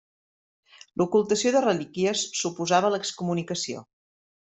L'ocultació de relíquies suposava l'excomunicació.